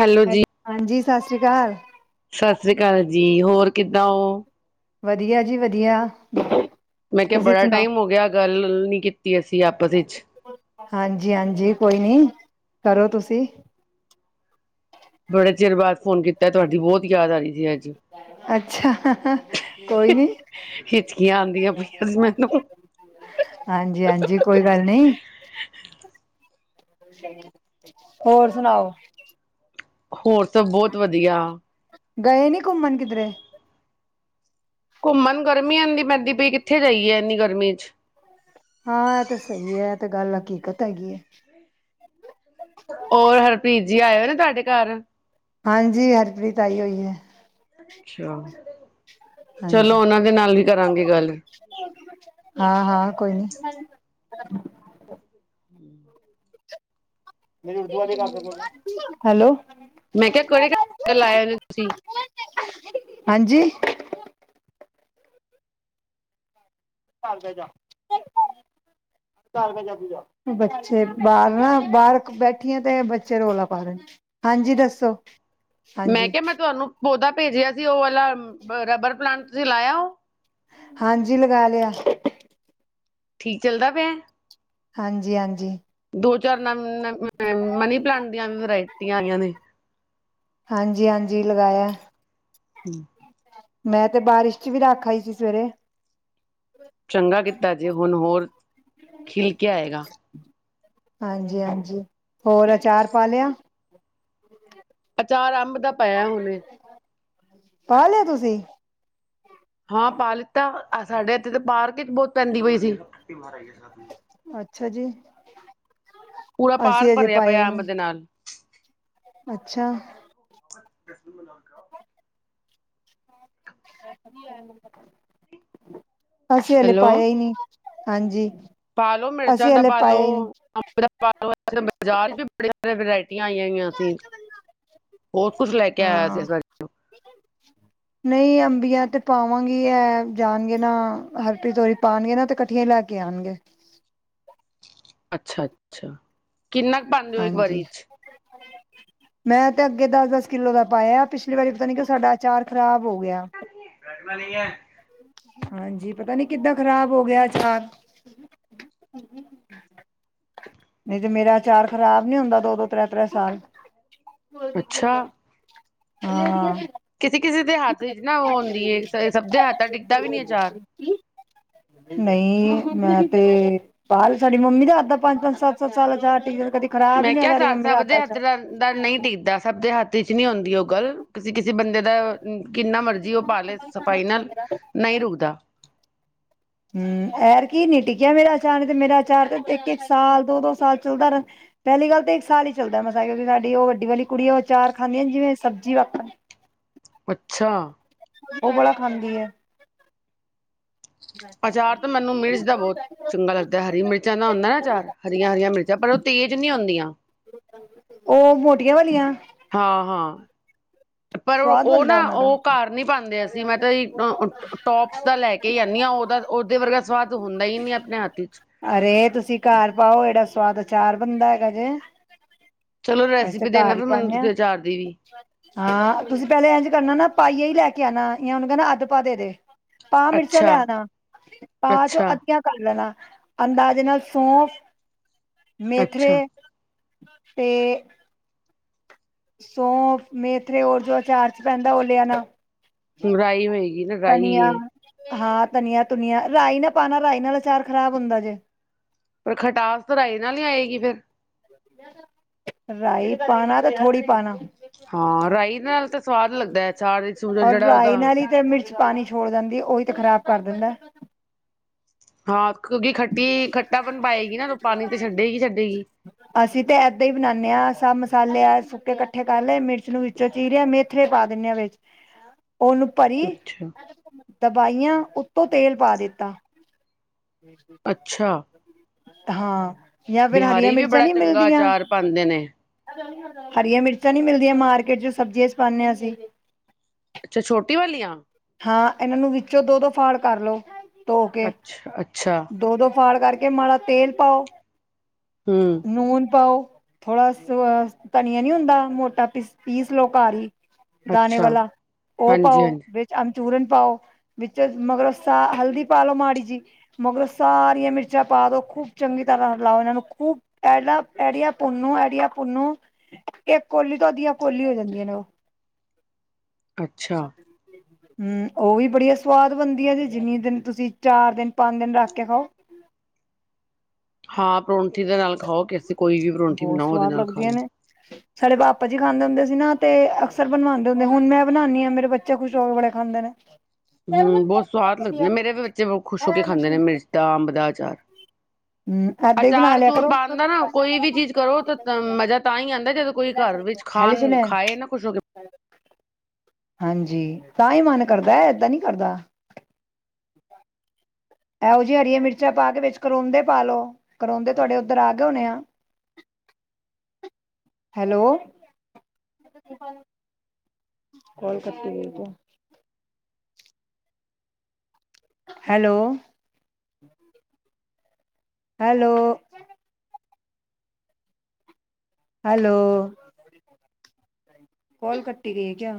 Hello ਜੀ, ਹਾਂਜੀ, ਸਤਿ ਸ਼੍ਰੀ ਅਕਾਲ। ਸਤਿ ਸ੍ਰੀ ਅਕਾਲ ਜੀ, ਹੋਰ ਕਿੱਦਾਂ ਓ? ਵਧੀਆ ਜੀ ਵਧੀਆ। ਮੈਂ ਕਿਹਾ ਤੁਸੀਂ ਬੜਾ ਟਾਈਮ ਸੁਣਾਓ ਹੋ ਗਿਆ, ਗੱਲ ਨੀ ਕੀਤੀ। ਅਸੀਂ ਆਪਸ ਵਿੱਚ ਹਾਂਜੀ-ਹਾਂਜੀ, ਕੋਈ ਨੀ ਕਰੋ ਤੁਸੀਂ ਬੜੇ ਚਿਰ ਬਾਅਦ ਫੋਨ ਕੀਤਾ, ਤੁਹਾਡੀ ਬੋਤ ਯਾਦ ਆ ਰਹੀ ਸੀ। ਅੱਜ ਅੱਛਾ, ਕੋਈ ਨੀ। ਆਂਦੀਆਂ ਪਈਆਂ ਸੀ। ਮੈਨੂੰ ਹਾਂਜੀ-ਹਾਂਜੀ, ਕੋਈ ਗੱਲ ਨੀ ਹੋਰ ਸੁਣਾਓ? ਹੋਰ ਸਭ ਬੋਤ ਵਧੀਆ। ਗਏ ਨੀ ਘੁੰਮਣ ਕਿਧਰੇ। ਘੁੰਮਣ ਗਰਮੀ ਐਨੀ ਪੈਂਦੀ ਪਈ, ਕਿੱਥੇ ਜਾਈਏ ਏਨੀ ਗਰਮੀ ਚ ਹਾਂ, ਏਹ ਤੇ ਸਹੀ ਹੈ, ਏਹ ਤੇ ਗੱਲ ਹਕੀਕਤ ਹੈਗੀ ਹੈ। ਹੋਰ, ਹਰਪ੍ਰੀਤ ਜੀ ਆਏ ਹੋਏ ਨੇ, ਤੁਹਾਡੇ ਘਰ? ਹਾਂਜੀ, ਹਰਪ੍ਰੀਤ ਆਈ ਹੋਈ ਹੈ। ਅੱਛਾ, ਚਲੋ ਓਨਾਂ ਦੇ ਨਾਲ ਵੀ ਕਰਾਂਗੇ। ਗੱਲ ਹਾਂ-ਹਾਂ, ਕੋਈ ਨੀ। ਹੂੰ। ਹੈਲੋ। ਮੈਂ ਕਿਹਾ ਕੇੜੇ [inaudible] ਹਾਂਜੀ। [unintelligible] ਬੱਚੇ ਬਾਰ ਨਾ ਬਾਰ ਬੈਠੀ ਆਂ ਤੇ ਬੱਚੇ ਰੌਲਾ ਪਾ ਰੇਨ। ਹਾਂਜੀ ਦੱਸੋ। ਮੈਂ ਕਿਆ ਮੈਂ ਤਵਾਨੂੰ ਪੌਧਾ ਪੇਜਆ ਸੀ, ਉਹ ਵਾਲਾ ਰਬਰ ਪਲਾਂਟ ਤੁਸੀਂ ਲਾਇਆ ਔ। ਹਾਂਜੀ ਲਗਾ ਲਿਆ। ਠੀਕ ਚੱਲਦਾ ਪਿਆ। ਹਾਂਜੀ-ਹਾਂਜੀ। ਦੋ ਚਾਰ [unintelligible] ਮਨੀ ਪਲਾਂਟ ਦੀਆਂ ਵੀ ਵਰਾਇਟੀਆਂ ਆਈਆਂ ਨੇ। ਹਾਂਜੀ-ਹਾਂਜੀ ਲਗਾਇਆ। [inaudible] ਮੈਂ ਤੇ ਬਾਰਿਸ਼ 'ਚ ਵੀ ਰਖ ਆਈ ਸੀ ਸਵੇਰੇ। ਚੰਗਾ ਕੀਤਾ ਜੇ ਹੁਨ ਹੋਰ ਖਿਲ ਕੇ ਆਏਗਾ। ਹਾਂਜੀ-ਹਾਂਜੀ। ਹੋਰ ਅਚਾਰ ਪਾ ਲਿਆ? ਅਚਾਰ ਅੰਬ ਦਾ ਪਾਇਆ ਹੁਨੇ। ਪਾ ਲਆ ਤੁਸੀਂ? ਹਾਂ ਪਾ ਲਿੱਤਾ। ਸਾਡੇ ਇੱਥੇ ਤੇ ਪਾਰਕੀਕ ਬੋਤ ਪੈਂਦੀ ਬਈ ਸੀ। ਅੱਛਾ ਜੀ। ਪੂਰਾ ਪਾਰਕ ਅਸੀਂ ਅਜੇ ਭਰਿਆ ਪਾਯਾ ਈ ਪਿਆ ਨੀ। ਅੰਬ ਦੇ ਨਾਲ ਅੱਛਾ। [inaudible] ਅਸੀਂ ਹਲੇ ਹੈਲੋ ਪਾਇਆ ਈ ਨੀ। ਹਾਂਜੀ। ਪਾਲੋ ਮਿਰਚਾਂ ਅਸੀਂ ਦਾ ਹਲੇ ਪਾਇਆ ਹੀ ਨਹੀਂ ਪਾਲੋ। [unintelligible] ਵੈਰਾਇਟੀਆਂ ਆਇਯਾ ਹੋਇਆ। ਸੀ। ਬੋਤ ਕੁੱਛ ਲੈ ਕੇ ਆਇਆ ਸੀ ਇਸ ਵਾਰੀ। ਨਈ ਅੰਬੀਆਂ ਤੇ ਪਾਵਾਂਗੀ, ਐ ਜਾਨਗੇ ਨਾ ਹਰਪ੍ਰੀਤ ਔਰੀ ਪਾਨਗੇ ਨਾ ਤੇ ਕੱਠਿਆ ਈ ਲੈ ਕੇ ਆਨਗੇ। ਅੱਛਾ-ਅੱਛਾ। ਕਿੰਨਾ ਕ ਪਾਂਦੇ ਔ ਇਕ ਵਾਰੀ ਹਾਂਜੀ 'ਚ? ਮੈਂ ਤੇ ਅੱਗੇ ਦੱਸ-ਦੱਸ ਕਿੱਲੋ ਦਾ ਪਾਇਆ। ਪਿਛਲੀ ਵਾਰੀ ਪਤਾ ਨੀ ਕਿਉਂ ਸਾਡਾ ਅਚਾਰ ਖ਼ਰਾਬ ਹੋ ਗਿਆ। ਬੈਠਨਾ ਨੀ ਐ। ਹਾਂਜੀ। ਪਤਾ ਨੀ ਕਿਦਾਂ ਖ਼ਰਾਬ ਹੋ ਗਿਆ ਅਚਾਰ। ਨਹੀਂ ਤੇ ਮੇਰਾ ਅਚਾਰ ਖ਼ਰਾਬ ਨੀ ਹੁੰਦਾ ਦੋ-ਦੋ, ਤ੍ਰੈ-ਤ੍ਰੈ ਸਾਲ। ਅੱਛਾ ਹਾਂ। ਕਿਸੀ-ਕਿਸੀ ਦੇ ਹੱਥ ਵਿੱਚ ਨਾ ਔ ਹੁੰਦੀ ਏ। ਸ ਸਭ ਦੇ ਹੱਥ ਦਾ ਟਿਕਦਾ ਵੀ ਨੀ ਅਚਾਰ। ਨਈ ਮੈਂ ਤੇ ਪਾਲ, ਸਾਡੀ ਮੰਮੀ ਦੇ ਹੱਥ ਦਾ ਪੰਜ-ਪੰਜ, ਸੱਤ-ਸੱਤ ਸਾਲ ਅਚਾਰ ਟੀਕ ਕਦੀ ਖਰਾਬ ਈ ਨੀ ਹੋ ਸਾਡੀ ਮੰਮੀ ਦੇ ਹੱਥ ਦਾ ਅਚਾਰ। ਦਾ ਨਈ ਟਿੱਕਦਾ। ਸਭ ਦੇ ਹੱਥ ਇੱਚ ਨੀ ਹੁੰਦੀ ਔ ਗੱਲ। ਕਿਸੀ-ਕਿਸੀ ਬੰਦੇ ਦਾ ਕਿੰਨਾ ਮਰਜ਼ੀ ਔ ਪਾ ਲੇ ਸਫ਼ਾਈ ਨਾਲ ਨਈ ਰੁਕਦਾ। ਹਮ ਐਰ ਕੀ ਨੀ ਟਿੱਕੀਆ ਮੇਰਾ ਆਚਾਰ, ਨੀ ਤੇ ਮੇਰਾ ਆਚਾਰ ਇਕ-ਇਕ ਸਾਲ, ਦੋ-ਦੋ ਸਾਲ ਚਲਦਾ ਰੇ ਪੈਲੀ ਗੱਲ ਤੇ ਇਕ ਸਾਲ ਈ ਚਲਦਾ ਮਸਾ ਕਿਉਂਕਿ ਸਾਡੀ ਔ ਵੱਡੀ ਵਾਲੀ ਕੁੜੀ ਔ ਅਚਾਰ ਖਾਂਦੀ, ਜਿਵੇੰ ਸਬਜ਼ੀ ਵਾਕਣ। ਅੱਛਾ। ਔ ਬੜਾ ਖਾਂਦੀ ਏ। ਅਚਾਰ ਤਾਂ ਮੈਨੂੰ ਮਿਰਚ ਦਾ ਬੋਤ ਚੰਗਾ ਲਗਦਾ। ਹਰੀ ਮਿਰਚਾਂ ਦਾ ਹੁੰਦਾ ਨਾ ਅਚਾਰ ਹਰੀਆਂ-ਹਰੀਆਂ ਮਿਰਚਾਂ ਪਰ ਔ ਤੇਜ਼ ਨੀ ਔੰਦੀਆਂ। ਔ ਮੋਟੀਆਂ ਵਾਲੀਆਂ? ਹਾਂ-ਹਾਂ। ਪਰ ਸਵਾਦ ਔ ਬਣਦਾ ਨਾ ਉਹਨਾਂ ਔ ਦਾ। ਘਰ ਨੀ ਪਾਂਦੇ ਅਸੀ, ਮੈਂ ਤਾ ਜੀ ਟੋ--ਟੋਪਸ ਦਾ ਲੈ ਕੇ ਕੇ ਈ ਆਨੀ ਆ ਓਦਾ, ਓਦੇ ਵਰਗਾ ਸਵਾਦ ਹੁੰਦਾ ਈ ਨੀ ਆਪਣੇ ਹੱਥ ਇੱਚ। ਅਰੇ ਤੁਸੀ ਕਾਰ ਪਾਓ, ਏੜਾ ਸਵਾਦ ਅਚਾਰ ਬਣਦਾ ਹੈਗਾ ਜੇ। ਚਲੋ ਅਸੀ ਤੇ, ਰੈਸਿਪੀ ਦੇਣਾ ਕਾਰ ਈ ਫਿਰ ਮੈਨੂੰ ਪਾਣੇ ਆ। ਤੁਸੀਂ ਅਚਾਰ ਦੀ ਵੀ ਹਾਂ, ਤੁਸੀਂ ਪੈਲੇ ਏਜ ਕਰਨਾ ਨਾ ਪਾਈਆ ਈ ਲੈ ਕੇ ਆਣਾ, ਯਾ ਉਨੂੰ ਕੈਣਾ ਅੱਧ ਪਾ ਦੇ-ਦੇ। ਪਾ ਮਿਰਚਾਂ ਅੱਛਾ ਲੈ ਨਾ, ਪਾ ਚੋਂ ਅੱਛਾ ਅੱਧੀਆਂ ਕਰ ਲੈਣਾ, ਅੰਦਾਜੇ ਨਾਲ ਸੌਫ, ਅੱਛਾ ਮੇਥਰੇ ਤੇ ਸੌਫ, ਮੇਥਰੇ ਔਰ ਜੋ ਅਚਾਰ 'ਚ ਪੈਂਦਾ, ਓ ਲੇ ਆਣਾ। ਹਮ, ਰਾਈ ਹੋਏਗੀ ਨਾ ਰਾਈ ਧਨੀਆ ਏ। ਹਾਂ ਤਣੀਆਂ-ਤੁਣੀਆਂ, ਰਾਇ ਨਾ ਪਾਣਾ ਰਾਇ ਨਾਲ ਅਚਾਰ ਖ਼ਰਾਬ ਹੁੰਦਾ ਜੇ। ਪਰ ਖਟਾਸ, ਤਾਂ ਰਾਇ ਨਾਲ ਈ ਆਏਗੀ ਫੇਰ। ਰਾਇ ਪਾਣਾ, ਤੇ ਥੋੜ੍ਹੀ ਪਾਣਾ। ਹਾਂ ਰਾਇ ਨਾਲ ਤੇ ਸਵਾਦ ਲਗਦਾ, ਐ ਅਚਾਰ ਸੂਰਜ ਜੇੜਾ ਓਦਾ ਫੇਰ ਮਿਰਚ ਪਾਣੀ ਛੋੜ ਜਾਂਦੀ ਏ, ਓਹੀ ਤੇ ਖਰਾਬ ਕਰ ਦਿੰਦੈ। ਹਾਂ ਕਿਉਂਕਿ ਖੱਟੀ ਖੱਟਾ ਪਨ ਪਾਏਗੀ ਨਾ, ਤੇ ਓ ਪਾਣੀ ਤੇ ਛਡੇਗੀ- ਛਡੇਗੀ। ਅਸੀਂ ਤਾ ਏਦਾ ਈ ਬਨਾਣੇ ਆ, ਸਭ ਮਸਾਲੇ ਆ ਸੁੱਕੇ ਕੱਠੇ ਕਰ ਲੇ ਮਿਰਚ ਨੂੰ ਵਿੱਚੋ ਚੀਰੇਆ ਮੇਥ ਥਰੇ ਪਾ ਦੀਨੇ ਆ ਵਿੱਚ, ਉਨੂੰ ਪਰੀ ਅੱਛਾ ਦਬਾਈਆਂ ਉੱਤੋਂ, ਤੇਲ ਪਾ ਦਿੱਤਾ। ਅੱਛਾ ਹਾਂ। ਯਾ ਫੇਰ, ਹਰੀਆਂ ਬਿਹਾਰੀ ਵੀ ਮਿਰਚਾਂ ਬੜਾ ਨੀ ਚੰਗਾ ਮਿਲਦੀਆਂ ਅਚਾਰ ਪਾਉਂਦੇ ਨੇ ਹਰੀਆਂ ਮਿਰਚਾਂ ਨੀ ਮਿਲਦੀਆਂ ਮਾਰਕੀਟ 'ਚ, ਸਬਜ਼ੀਆਂ 'ਚ ਪਾਣੇ ਆ ਅਸੀ ਅੱਛਾ, ਛੋਟੀ ਵਲੀਆਂ? ਹਾਂ ਏਨਾਨੂੰ ਵਿੱਚੋ ਦੋ-ਦੋ ਫਾੜ੍ਹ ਕਰ ਲੋ ਤੋ ਕੇ, ਅੱਛਾ ਅੱਛਾ ਦੋ-ਦੋ ਫਾੜ੍ਹ ਕਰਕ ਕੇ ਮਾੜਾ ਤੇਲ ਪਾਓ, ਹੂੰ ਨੂਨ ਪਾਓ ਥੋੜਾ ਸ ਵ ਤਣੀਆਂ ਨੀ ਹੁੰਦਾ, ਮੋਟਾ ਪੀਸ-ਪੀਸ ਲੋ ਕਾਰ ਈ ਦਾਣੇ ਅੱਛਾ ਵਲਾ ਓ ਹਾਂਜੀ ਪਾਓ, ਹਾਂਜੀ ਵਿਚ ਅਮਚੂਰਨ ਪਾਓ ਵਿਚ ਮਗਰੋਂ ਸਾ, ਹਲਦੀ ਪਾਲੋੋ ਮਾੜੀ ਜੀ ਮਗਰੋਂ ਸਾਰੀਆਂ ਮਿਰਚਾਂ ਪਾ ਦੋ, ਖੂਬ ਚੰਗੀ ਤਰ੍ਹਾਂ ਰਲਾਓ ਇਹਨਾਂ ਨੂੰ ਖੂਬ ਇਹੜਾ ਐੜੀਆ ਪੁੁੰਨੂੰ, ਐੜੀਆ ਪੁੁੰਨੂੰ ਇੱਕ ਕੋਲੀ ਤੋਂ, ਅੱਧੀਆਂ ਕੋਲੀ ਹੋ ਜਾਂਦੀਆਂ ਨੇ ਉਹ। ਅੱਛਾ ਹੂ, ਉਹ ਵੀ ਬੜੀਆ ਸਵਾਦ ਬਣਦੀਆਂ ਨੇ, ਜਿੰਨੀ ਦਿਨ ਤੁਸੀਂ ਚਾਰ ਦਿਨ ਪੰਜ ਦਿਨ ਰੱਖ ਕੇ ਖਾਓ। ਹਾਂ ਪਰੌਂਠੀ ਦੇ ਨਾਲ ਖਾਓ, ਐਸੀਂ ਕੋਈ ਵੀ ਪਰੌਂਠੀ ਬਹੁਤ ਬਣਾਓ ਉਹਦੇ ਸਵਾਦ ਨਾਲ ਖਾ ਲੱਗਦੀਆਂ ਲਓ। ਨੇ ਸਾਡੇ ਭਾਪਾ ਜੀ ਖਾਂਦੇ ਹੁੰਦੇ ਸੀ ਨਾ, ਤੇ ਅਕਸਰ ਬਣਵਾਉਂਦੇ ਹੁੰਦੇ, ਹੁਣ ਮੈਂ ਬਣਾਉਂਦੀ ਹਾਂ ਮੇਰੇ ਬੱਚੇ ਖੁਸ਼ ਹੋ ਕੇ ਬੜੇ ਖਾਂਦੇ ਨੇ। ਹੂ ਬਹੁਤ ਸਵਾਦ ਲੱਗਦੇ ਨੇ, ਮੇਰੇ ਵੀ ਬੱਚੇ ਬਹੁਤ ਖੁਸ਼ ਹੋ ਕੇ ਖਾਂਦੇ ਨੇ ਮਿਰਚ ਦਾ, ਅੰਬ ਦਾ ਅਚਾਰ। ਹਮ ਏਦਾਂ ਹੀ ਬਣਾ ਅਚਾਰ ਲਿਆ -ਅਚੂਰ ਕਰੋ ਪਾਉਣ ਦਾ ਨਾ, ਕੋਈ ਵੀ ਚੀਜ਼ ਕਰੋ ਤਾਂ ਮਜ਼ਾ ਤਾਂ ਹੀ ਆਂਦਾ ਜਦੋਂ ਕੋਈ ਘਰ ਵਿੱਚ ਥੈਲੀ ਚ ਖਾਣ ਲੈ ਖਾਏ ਨਾ, ਖੁੱਸ਼ ਹੋ ਕੇ ਹਾਂਜੀ, ਤਾਂ ਹੀ ਮਨ ਕਰਦਾ ਏ, ਏਦਾਂ ਨੀ ਕਰਦਾ। ਇਹੋ ਜਿਹੀ ਹਰੀਆਂ ਮਿਰਚਾਂ ਪਾ ਕੇ ਵਿੱਚ ਕਰੋਂਦੇ ਪਾ ਲਉ, ਕਰੋਂਦੇ ਤੁਹਾਡੇ ਉੱਧਰ ਆ ਗਏ ਹੋਣੇ ਆ। [unintelligible] ਹੈਲੋ, ਸਤਿ ਸ੍ਰੀ ਆਕਾਲ। ਕੋਲ ਕੱਟੀ ਗਈ। ਹੈਲੋ। ਹੈਲੋ। ਹੈਲੋ, ਕੋਲ ਕੱਟੀ ਗਈ ਏ ਕਿਆ?